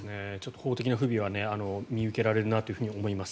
法的な抜けも見受けられると思います。